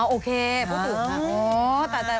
โอเคพูดถึงค่ะ